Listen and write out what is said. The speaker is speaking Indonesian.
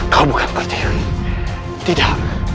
kau bukan pertiwi tidak